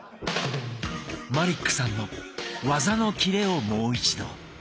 マリックさんの技のキレをもう一度。